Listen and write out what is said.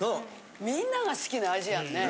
みんなが好きな味やんね。